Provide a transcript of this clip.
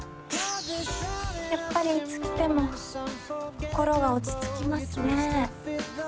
やっぱりいつ来ても心が落ち着きますね。